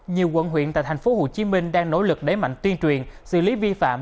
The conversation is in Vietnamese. nhiều quận huyện tại tp hcm đang nỗ lực đẩy mạnh tuyên truyền xử lý vi phạm